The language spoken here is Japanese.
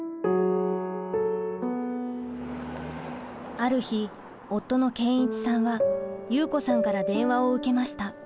ある日夫の健一さんは祐子さんから電話を受けました。